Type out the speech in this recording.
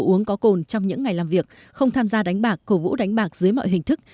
uống có cồn trong những ngày làm việc không tham gia đánh bạc cầu vũ đánh bạc dưới mọi hình thức